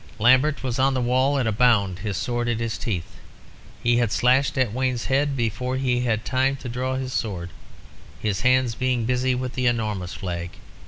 Lambert was on the wall at a bound, his sword in his teeth, and had slashed at Wayne's head before he had time to draw his sword, his hands being busy with the enormous flag.